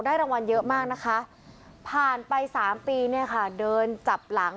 รางวัลเยอะมากนะคะผ่านไป๓ปีเนี่ยค่ะเดินจับหลัง